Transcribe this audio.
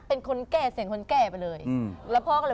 เป็นคนแก่เสียงคนแก่ไปเลย